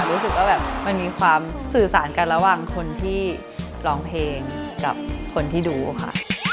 รู้สึกว่าแบบมันมีความสื่อสารกันระหว่างคนที่ร้องเพลงกับคนที่ดูค่ะ